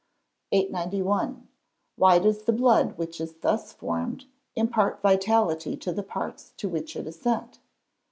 891. _Why does the blood which is thus formed, impart vitality to the parts to which it is sent?